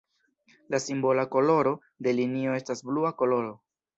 La simbola koloro de linio estas blua koloro.